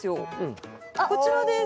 こちらです。